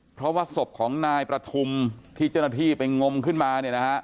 เพราะว่าศพของนายประธุมที่เจ้าหน้าที่ไปงมขึ้นมา